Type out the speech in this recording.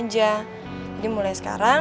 jadi mulai sekarang